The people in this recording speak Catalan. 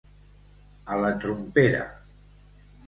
A la trompera.